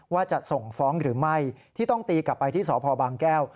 ว่าจะส่งฟ้องหรือไม่ที่ต้องตีกลับไปที่สพบางแก้ว